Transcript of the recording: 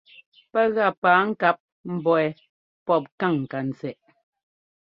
Pɛ́ gá paa-ŋkáp mbɔ̌ wɛ́ pɔ́p káŋ ŋkantsɛꞌ.